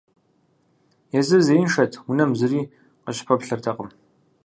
Езыр зеиншэт, унэм зыри къыщыпэплъэртэкъым.